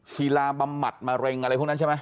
ศิลาบำบัดมะเร็งอะไรพวกนั้นใช่ไหม